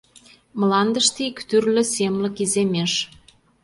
Мландыште ик тӱрлӧ семлык иземеш.